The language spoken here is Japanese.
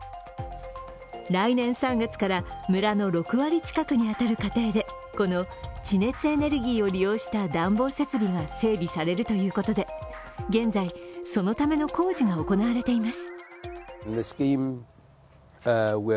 来年３月から村の６割近くに当たる家庭でこの地熱エネルギーを利用した暖房設備が整備されるということで現在、そのための工事が行われています。